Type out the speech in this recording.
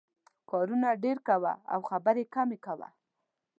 کارونه ډېر کوه او خبرې کمې کوه.